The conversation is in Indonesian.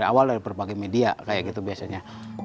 awal dari berbagai media kayak gitu biasanya